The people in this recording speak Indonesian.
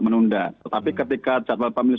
menunda tetapi ketika jadwal pemilu